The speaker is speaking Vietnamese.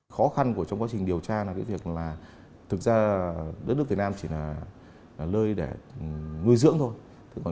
khó khăn trong quá trình điều tra là thực ra đất nước việt nam chỉ là lơi để nuôi dưỡng thôi